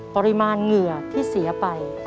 ปริมาณเหงื่อที่เสียไป